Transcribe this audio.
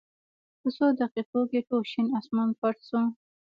په څو دقېقو کې ټول شین اسمان پټ شو.